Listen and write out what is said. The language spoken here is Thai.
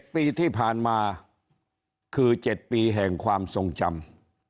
ปีที่ผ่านมาคือ๗ปีแห่งความทรงจำ